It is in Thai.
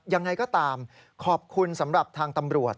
ยังไงก็ตามขอบคุณสำหรับทางตำรวจ